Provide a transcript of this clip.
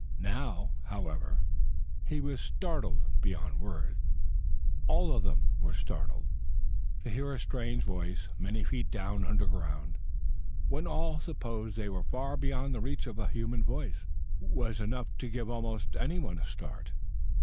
Now, however, he was startled beyond words. All of them were startled. To hear a strange voice many feet down under the ground, when all supposed they were far beyond the reach of a human voice, was enough to give almost anyone a start.